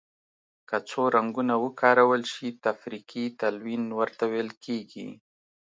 که څو رنګونه وکارول شي تفریقي تلوین ورته ویل کیږي.